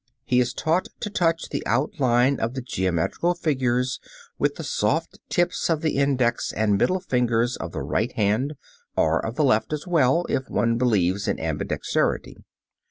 He is taught to touch the outline of the geometrical figures with the soft tips of the index and middle finger of the right hand, or of the left as well, if one believes in ambidexterity.